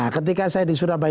ketika saya di surabaya